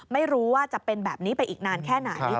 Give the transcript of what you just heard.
ไม่รู้ว่าจะเป็นแบบนี้ไปอีกนานแค่ไหน